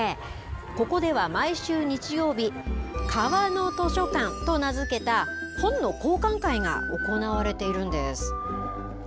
ここでは毎週日曜日川の図書館と名づけた本の交換会が行われているんです。